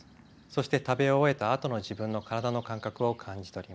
そして食べ終えたあとの自分の体の感覚を感じ取ります。